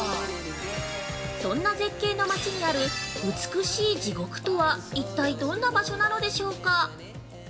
そんな絶景の町にある美しい地獄とは、一体どんな場所なのでしょうか。